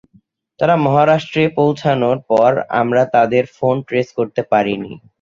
তারা মহারাষ্ট্রে পৌঁছানোর পর আমরা তাদের ফোন ট্রেস করতে পারিনি।